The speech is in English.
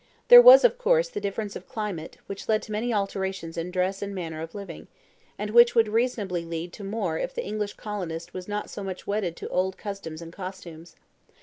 There was, of course, the difference of climate, which led to many alterations in dress and manner of living, and which would reasonably lead to more if the English colonist was not so much wedded to old customs and costumes.